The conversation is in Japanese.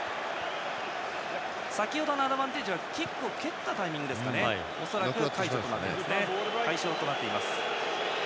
先程のアドバンテージはキックをしたタイミングでそれは解消となっています。